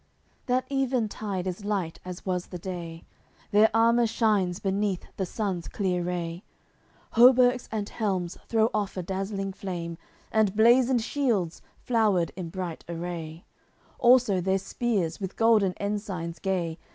CCXXXVII That even tide is light as was the day; Their armour shines beneath the sun's clear ray, Hauberks and helms throw off a dazzling flame, And blazoned shields, flowered in bright array, Also their spears, with golden ensigns gay.